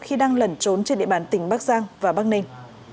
khi đang lẩn trốn trên địa bàn tỉnh bắc giang và bắc ninh